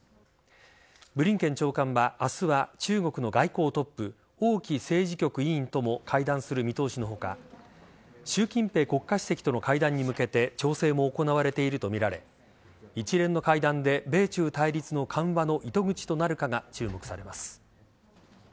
ブリンケン長官は明日は中国の外交トップ王毅政治局委員とも会談する見通しの他習近平国家主席との会談に向けて調整も行われているとみられ一連の会談で米中対立の緩和の糸口となるかが注目されます。